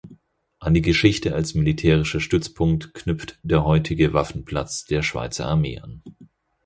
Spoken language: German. An die Geschichte als militärischer Stützpunkt knüpft der heutige Waffenplatz der Schweizer Armee an.